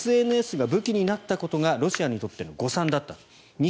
ＳＮＳが武器になったことがロシアにとっての誤算だった。